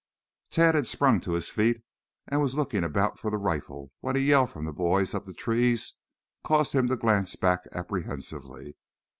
Tad had sprung to his feet and was looking about for the rifle when a yell from the boys up the trees caused him to glance back apprehensively.